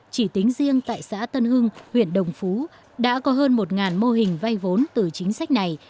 chỉ tính riêng tại xã tân hưng huyện đồng phú đã có hơn một mô hình vay vốn từ chính sách này